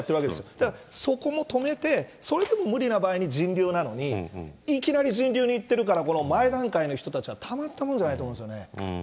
だからそこも止めて、それでも無理な場合に、人流なのに、いきなり人流にいってるから、この前段階の人たちは、たまったもんじゃないと思いますよね。